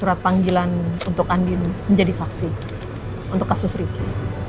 surat panggilan untuk andin menjadi saksi untuk kasus riki